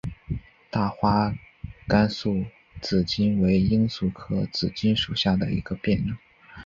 大花甘肃紫堇为罂粟科紫堇属下的一个变种。